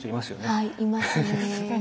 はいいますね。